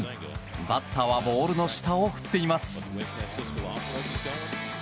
バッターはボールの下を振っています。